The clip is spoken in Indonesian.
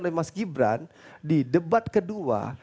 oleh mas gibran di debat kedua